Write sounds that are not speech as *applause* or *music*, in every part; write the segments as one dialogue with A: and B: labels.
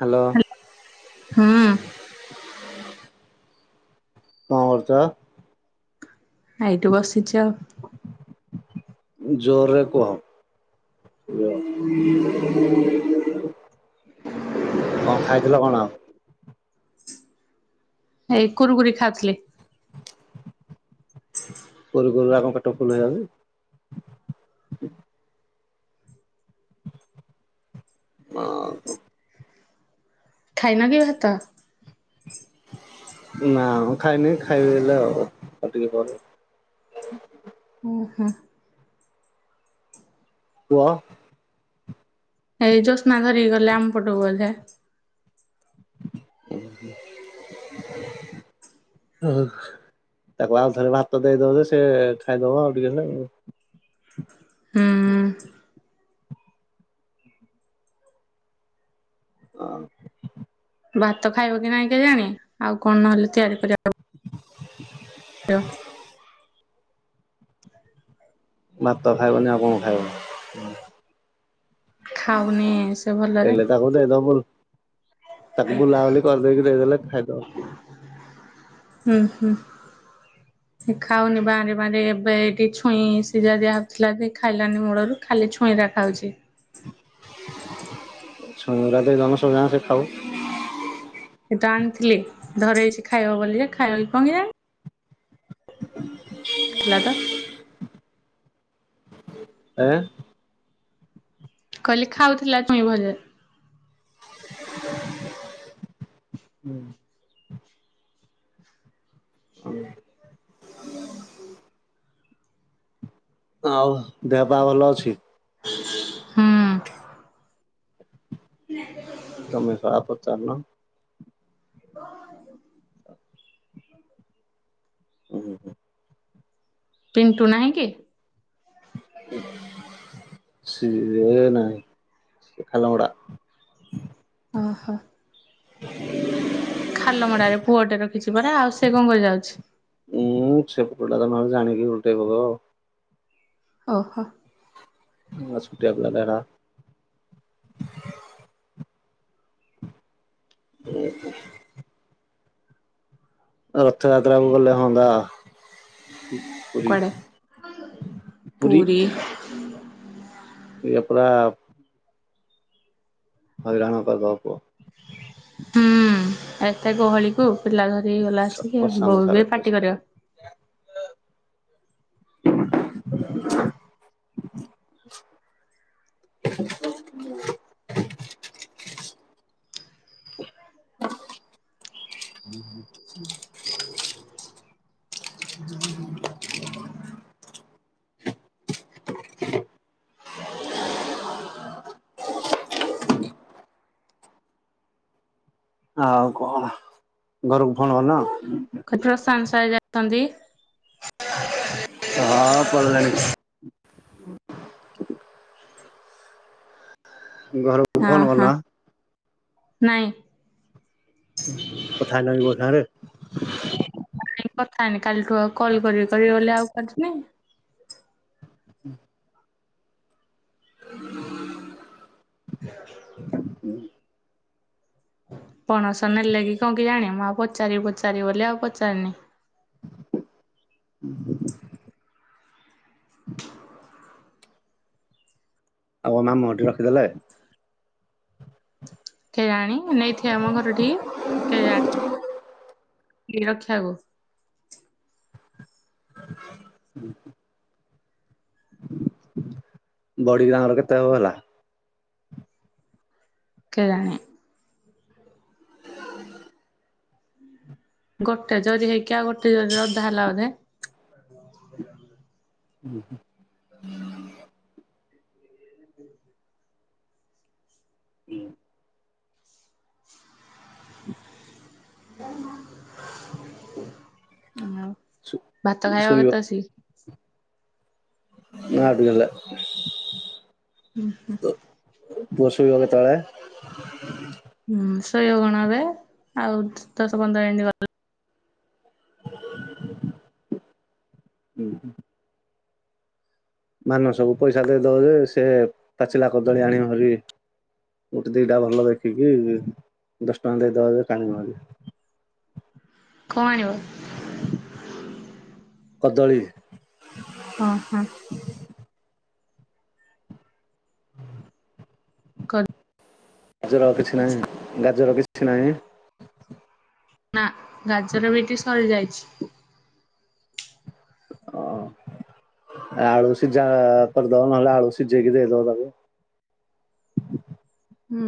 A: Hello
B: ହଁ
A: କଣ କରୁଚ?
B: ଆ ଏଇଠି ବସିଛି ଆଉ।
A: ଜୋରରେ କୁହ। *inaudible* କଣ ଖାଇଥିଲ କଣ?
B: ଏଇ କୁୁରକୁରି ଖାଉଥିଲେ। *inaudible*
A: କରୁକରୁ ଆ ପେଟ ଫୁଲ ହେଇଗଲାଣି। ହଁ
B: ଖାଇନ କି ଭାତ?
A: ନା ଖାଇନି ଖାଇବିଅବିକା ଆଉ ଆଉ ଟିକେ ପରେ।
B: ଆ ହା।
A: କୁହ।
B: ଏଇ ଯଷ୍ଟ ନା ଧରିକି ଗଲେ ଆମ ପଟକୁ ଗଲେ।
A: ଓ। ତାକୁ ଆଉ ଥରେ ଭାତ ଦେଇଦବ ଯେ ସେ ଖାଇଦବ ଆଉ ଟିକେ ହେଲେ।
B: ହୁଁ।
A: ଅଁ।
B: ଭାତ ଖାଇବ କି ନାଇଁ କେଜାଣି ଆଉ କଣ ନହେଲେ ତିଆରି କରିବା। *unintelligible*
A: ଭାତ ଖାଇବନି ଆଉ କଣ ଖାଇବ?
B: ଖାଉନି ସେ ଭଲରେ।
A: ହେଲେ ତାକୁ ଦେଇଦବ ବୁ ତାକୁ ବୁଲାବୁଲି କରିଦେଇକି ଦେଇଦେଲେ ଖାଇଦବ।
B: ହୁଁ ହୁଁ।
A: ହୁଁ
B: ଖାଉନି ବାଁରି ବାଁରି ଏବେ ଏଇଠି ଛୁଇଁ ସିଝା ଦିଆହଉଥିଲା ଖାଇଲାନି ମୂଳରୁ। ଖାଲି ଛୁଇଁ ରା ଖାଉଛି।
A: *unintelligible* ଜନସଜା ସେ ଖାଉ।
B: ସେଇଠା ଆଣିଥିଲି ଧରେଇଛି ଖାଇବ ବୋଲି ଯେ ଖାଇବ କି କଣ କେଜାଣି।
A: ହୁଁ
B: ଥିଲା ତ।
A: ଁ *unintelligible* ଆଁ?
B: କହିଲି ଖାଉଥିଲା ଛୁଇଁ ଭଜା।
A: ହୁଁ। ହଁ। ଆଉ ଦେହ ପା ଭଲ ଅଛି?
B: ହୁଁ।
A: ତମେ ସଳା ପଚାରୁନ।
B: ହ
A: ହୁଁ ହୁଁ।
B: ପିଣ୍ଟୁ ନାହିଁ କି?
A: ସିଏ ନାହିଁ ସେ ଖାଲହଡ଼ା।
B: ଅ ହ। ଖାଲ ମଡ଼ାରେ ପୁଅଟେ ରଖିଛି ପରା ଆଉ ସେ କଣ କରି ଯାଉଛି?
A: ଉୁଁ ସେପଟା ତମେ ଜାଣିକି ଉଲଟେଇ ପକେଇବ ଆଉ।
B: ଓ ହ।
A: ହସ୍ପିଟାଲ ଟା *unintelligible* ହ ରଥଯାତ୍ରା ବି ଗଲେ ହନ୍ତା। ପୁରୀ
B: କୁଆଡେ
A: ପୁରୀ।
B: ପୁରୀ
A: ଏୟା ପରା ହଇରାଣ କରିଦବ ପୁଅ।
B: ହୁଁ ଏତେ ଗହଳି କୁ ପିଲା ଧରି ଗଲା ଆସିକି
A: ପ୍ରଶାନ୍ତ
B: ବୋଉ
A: ସାର୍
B: ବି ପାଟି କରିବ।
A: ଆଉ କଣ ଘରକୁ ଫୋନ୍ କରିନ?
B: ପ୍ରଶାନ୍ତ ସାର ଯାଇଛନ୍ତି।
A: ହଁ ପଳେଇଲାଣି। ଘରକୁ।
B: ହଁ
A: ଫୋନ କଲ
B: ହଁ ନାଇଁ
A: କଥା ହେଲଣି ବୋଉ ସାଙ୍ଗରେ?
B: ନାଇଁ କଥା ହେଇନି କାଲିଠୁ ଆଉ କଲ କରିବି କରିବି ବୋଲି ଆଉ କରିିନି।
A: ହୁଁ।
B: ହ
A: ହୁଁ।
B: ପଣସ ନେଲେ କି କଣ କେଜାଣି ମୁଁ ଆଉ ପଚାରିବି ପଚାରିବି ବୋଲି ଆଉ ପଚାରିନି।
A: ହୁଁ। ହୁଁ। ଆଉ କଣ ମାମୁ ଘରଠି ରଖିଦେଲେ?
B: କେଜାଣୀ ନେଇଥିବ ଆମ ଘରଠିକୀ କେଜାଣୀ ରଖିବାକୁ
A: ହ ବଡି ଗାଁର କେତେ ହବ ହେଲା?
B: କେଜାଣି। ଗୋଟେ ଜରି ହେଇକି ଆଉ ଗୋଟେ ଜରିର ଅଧା ହେଲା ବୋଧେ। ଜ
A: ହୁଁ ହୁଁ।
B: ହୁଁ।
A: ହୁଁ। ହୁଁ
B: ଭାତ ଖାଇବ କେତ
A: ଶୋଇବ
B: ବେଳସିକି?
A: ନାଁ ଅଟକିଗଲା। ପୁଅ ସୋଇବ କେତେବେଳେ?
B: ହୁଁ ଶୋଇବ କଣ ଏବେ ଆଉ ଦଶ ପନ୍ଦର ମିନିଟ ରହିଲା।
A: ହୁଁ। ମାନସକୁ ପଇସା ଦେଇଦଵ ଯେ ସେ ପାଚିଲା କଦଳୀ ଆଣିବ ଭାରି। ଗୋଟେ ଦିଟା ଭଲ ଦେଖିକି ଦଶ ଟଙ୍କା ଦେଇଦବା ଯେ *unintelligible*
B: କଣ ଆଣିବ?
A: କଦଳୀ।
B: ଆଁ ହଁ। କର
A: ଗାଜର କିଛି ନାହିଁ ଗାଜର କିଛି ନାହିଁ?
B: ନା ଗାଜର ବିଟ୍ ସରିଯାଇଛି।
A: ଓ ଆଳୁ ସିଝା କରିଦବ ନହେଲେ ଆଳୁ ସିଝେଇକି ଦେଇଦବ ତାକୁ।
B: ହୁଁ।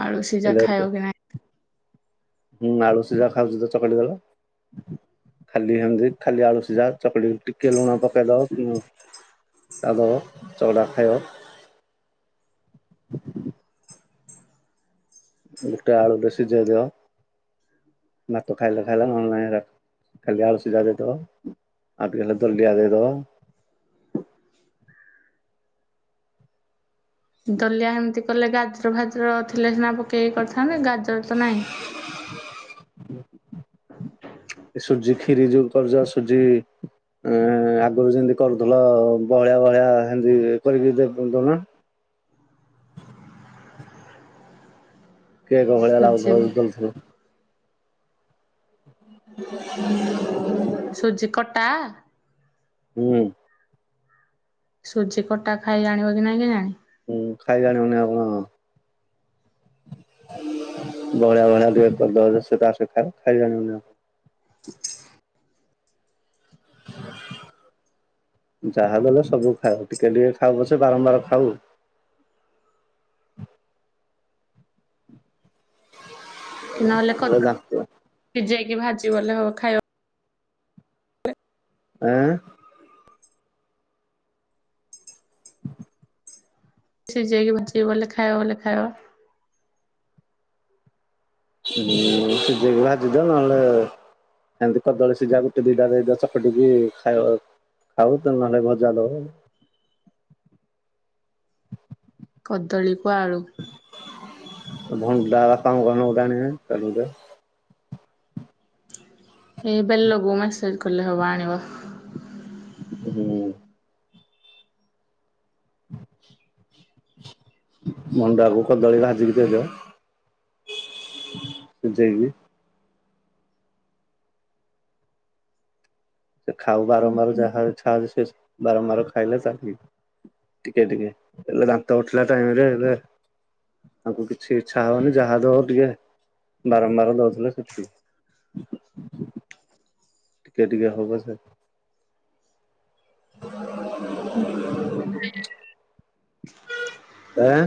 B: ଆଳୁ ସିଯା
A: ହେଲେ
B: ଖାଇବା କି ନାଇଁ।
A: ହୁଁ ଆଳୁ ସିଯା ଖାଉଚି ତ ଚକଟିଦେଲେ। ଖାଲି ହେମତି ଖାଲି ଆଳୁସୀଯା ଚକଡିକି ଟିକେ ଲୁଣ ପକେଇଦବ ଉ ତାଗ ଚଉଡ଼ା ଖାଇବ। ଗୋଟେ ଆଳୁଟେ ସିଝେଇ ଦିଅ ଭାତ ଖାଇଲେ ଖାଇଲ ନହେଲେ ନାହିଁ ରା କାଲି ଆଳୁ ସିଜା ଦେଇଦବ ଆଉ ଟିକେ ସେ ଦଲିଆ ଦେଇଦବ।
B: ଦଲିଆ ହେମତି କଲେ ଗାଜର ଫାଜର ଥିଲେ ସିନା ପକେଇକି କରିଥାନ୍ତେ ଗାଜର ତ ନାଇଁ।
A: ଉଁ ଏ ସୁଜି ଖିରି ଯୋଉ କରୁଚ ସୁଜି ଏଁ ଆଗୁରୁ ଯେମତି କରୁଥୁଲ ବହଳିଆ ବହଳିଆ ହେମତି କରିକି ଦେ ଦୋଉନ। କେକ୍ ଭଳିଆ
B: ସୁଜି
A: ଲାଗୁଥବ ଯେ ଦଉଥୁବ। *inaudible*
B: ସୁଜି କଟା?
A: ହୁଁ।
B: ସୁଜି କଟା ଖାଇ ଜାଣିବ କି ନାଇଁ କେଜାଣି?
A: ହୁଁ ଖାଇ ଜାଣିବନେଇ ଆଉ କଣ ବହଳିଆ ବହଳିଆ ଟିକେ କରିଦବ ଯେ ସିଏ ତାର ସଖାଳେ ଖାଇବା ନୋଉନା *inaudible* ଯାହା ବି ହେଲେ ସବୁ ଖାଇବ ଟିକେ ଟିକେ ଖାଉ ପଛେ ବାରମ୍ବାର ଖାଉ।
B: କି ନହେଲେ
A: ହେଲେ
B: କଦଳୀ
A: ଜାଣିଥିବ।
B: ସିଜେଇକି ଭାଜି ବଲେ ହବ ଖାଇବ।
A: ଆଁ?
B: ସିଜେଇକି ଭାଜିକି ବଲେ ଖାଇବ ବଲେ ଖାଇବ।
A: ହୁଁ ସିଜେଇକି ଭାଜି ଦିଅ ନହେଲେ ସେମତି କଦଳୀ ସିଜା ଗୋଟେ ଦୁଇଟା ଦେଇଦିଅ ଚପଟିକି ଖାଇବ। ଖାଉ ତ ନହେଲେ ଭଜା ଦବ।
B: କଦଳୀକୁ ଆଳୁ।
A: ଭଣ୍ଡା ବାପାଙ୍କୁ କହୁନ ଗୋଟେ ଆଣିବେ ତକୁଡେ।
B: ଏଇ ବେଲଗୁ ମାସେଜ୍ କଲେ ହବ ଆଣିବ।
A: ହୁଁ। ମଣ୍ଡାକୁ କଦଳୀ ଭାଜିକି ଦେଇଦିଅ। ସେଝେଇକି। ଏ ଖାଉ ବାରମ୍ବାର ଯାହା ଛାଡ଼଼ ସେ ବାରମ୍ବାର ଖାଇଲେ ସାଫି ଟିକେ ଟିକେ ହେଲେ ଦାନ୍ତ ଉଠିଲା ଟାଇମ୍ ରେ ହେଲେ ତାଙ୍କୁ କିଛି ଇଚ୍ଛା ହବନି ଯାହା ଦବ ଟିକେ ବାରମ୍ବାର ଦଉଥିଲେ ସେଠି ଟିକେ ଟିକେ ହବ ସେ *inaudible* ଆଁ?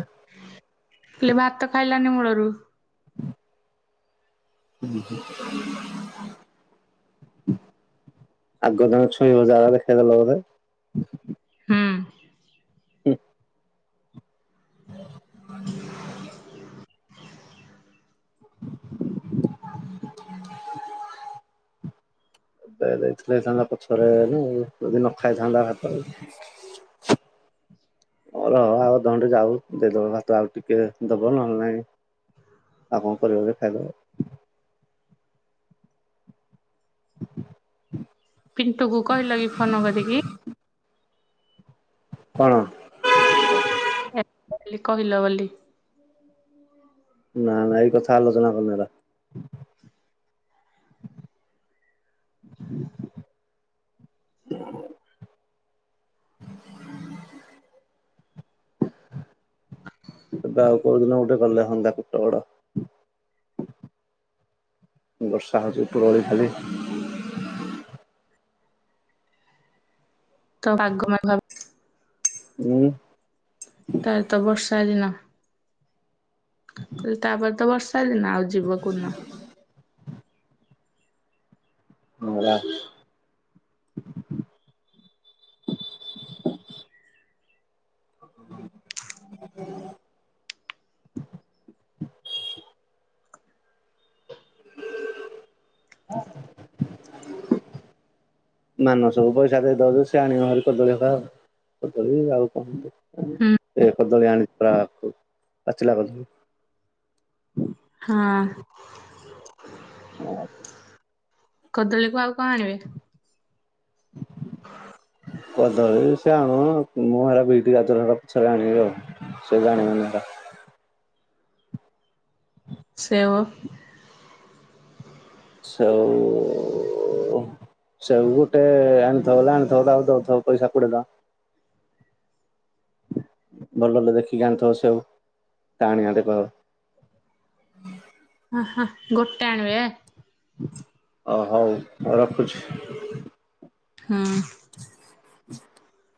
B: ହେଲେ ଭାତ ଖାଇଲାନି ମୂଳରୁ।
A: ଉଁ ହୁଁ। ଆଗଧାଅ ଛୁଇଁବ ଯା ହେଲେ ଖାଇଦେଲ ବୋଧେ।
B: ହୁଁ
A: ହୁଁ। *inaudible* ଦେଇଦେଇଥିଲେ ହେଇଥାନ୍ତା ପଛରେ ନୁ ଯଦି ନ ଖାଇଥାନ୍ତା ଭାତ। ଅ ରହ ଆଉ ଅଧଘଣ୍ଟେ ଯାଉ ଦେଇଦବ ଭାତ ଆଉ ଟିକେ ଦବ ନହେଲେ ନାଇଁ ଆଉ କଁ କରିବ ଯେ ଖାଇଦବ।
B: ପିଣ୍ଟୁକୁ କହିଲ କି ଫୋନ୍ କରିକି?
A: କଣ?
B: ଏ କହିଲି କହିଲ ବୋଲି।
A: ନା ନା ଏଇ କଥା ଆଲୋଚନା କରୁନୁ ହେରା *inaudible* ଏବେ ଆଉ କୋଉଦିନ ଗୋଟେ ଗଲେ ହଅନ୍ତା ଫତେଗଡ। ବର୍ଷା ହଉଛି ଉପରଓଳି ଖାଲି
B: ତ *unintelligible*
A: ହୁଁ
B: ତା'ର ତ ବର୍ଷା ଦିନ କହିଲି ତାପରେ ତ ବର୍ଷା ଦିନ ଆଉ ଯିବ କୋଉ' ନ?
A: ମଙ୍ଗଳବାର। ହୁଁ *inaudible* *inaudible* ନା ନା ସବୁ ପଇସା ଦେଇ ଦବ ଯଦି ସିଏ ଆଣିବା ହେରି କଦଳୀ ହେକା ଆଉ। କଦଳୀ ଆଉ କଣ
B: ହୁଁ
A: ଏ କଦଳୀ ଆଣିଛି ପୁରା ପାଚିଲା କଦଳୀ।
B: ହାଁ।
A: ଓ
B: କଦଳୀକୁ ଆଉ କଣ ଆଣିବେ?
A: କଦଳୀ ସିଏ ଆଣୁ ମୁଁ ହେରା ବିଟି, ଗାଜର ହେରା ପଛରେ ଆଣିବି ଆଉ ସିଏ ଜାଣିବନି ହେରା। ହୁଁ
B: ସେଓ
A: ସେଉ ସେଓ ଗୋଟେ ଆଣିଥବ ଗଲା ଆଣୁଥବ ତ ଆଉ ଦଉଥବ ପଇସା କୋଡ଼ିଏ ଟଙ୍କା। ଭଲ ଭଲ ଦେଖିକି ଆଣିଥିବ ସେଉ ଟାଣିଆଟେ *unintelligible*
B: ହ ହ ଗୋଟେ ଆଣିବେ?
A: ଅ ହଉ ହଉ ରଖୁଛି।
B: ହୁଁ।
A: ହ *unintelligible*